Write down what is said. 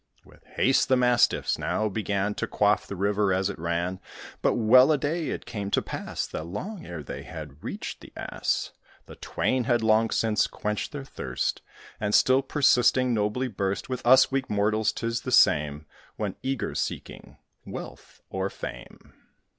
With haste the Mastiffs now began To quaff the river as it ran; But, well a day! it came to pass That, long ere they had reached the Ass, The twain had long since quenched their thirst, And, still persisting, nobly burst. With us weak mortals 'tis the same, When eager seeking wealth or fame.